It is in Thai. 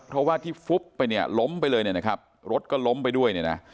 เพราะว่าที่ฟุบไปเนี่ยล้มไปเลยเนี่ยนะครับรถก็ล้มไปด้วยเนี่ยนะ